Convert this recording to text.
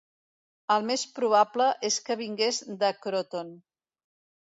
El més probable és que vingués de Croton.